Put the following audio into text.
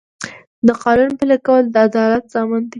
د قانون پلي کول د عدالت ضامن دی.